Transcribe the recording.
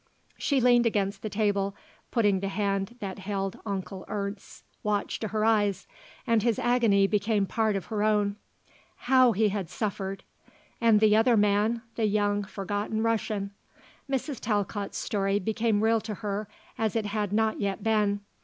She leaned against the table, putting the hand that held Onkel Ernst's watch to her eyes, and his agony became part of her own. How he had suffered. And the other man, the young, forgotten Russian. Mrs. Talcott's story became real to her as it had not yet been.